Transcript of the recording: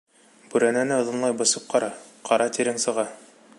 Бүрәнәне оҙонлай бысып ҡара, ҡара тирең сыға.